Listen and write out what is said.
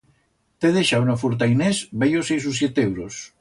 T'he deixau en o furtainers bellos seis u siete euros